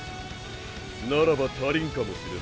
ならば足りんかもしれんな。